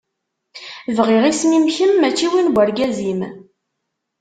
Bɣiɣ isem-im kemm mačči win n urgaz-im.